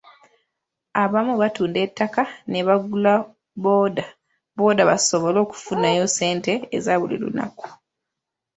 Abamu batunda ettaka ne bagula bbooda booda basobole okufunayo ssente eza buli lunaku.